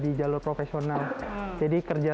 di jalur profesional jadi kerja